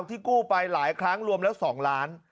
ที่กู้ไปหลายครั้งรวมแล้ว๒ล้าน